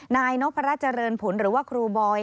นายนพรัชเจริญผลหรือว่าครูบอย